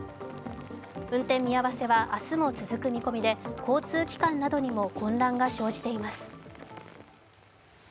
運転見合わせは明日も続く見込みで交通機関などにも混乱が生じています。